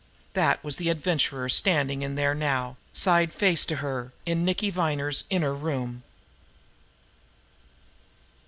That was the Adventurer standing in there now, side face to her, in Nicky Viner's inner room!